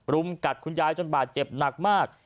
รุมกัดคุณยายจนบาดเจ็บหนักมาก